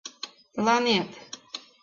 Тыланет!